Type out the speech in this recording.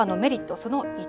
その１。